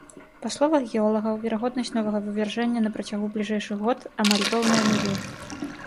Па словах геолагаў, верагоднасць новага вывяржэння на працягу бліжэйшых год амаль роўная нулю.